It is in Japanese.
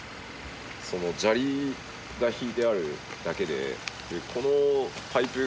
その砂利がひいてあるだけででこのパイプがね